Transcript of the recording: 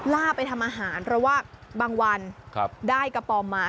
ล่าไปทำอาหารเพราะว่าบางวันได้กระป๋อมมา